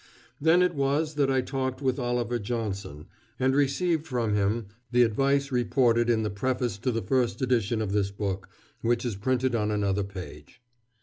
Then it was that I talked with Oliver Johnson, and received from him the advice reported in the preface to the first edition of this book, which is printed on another page.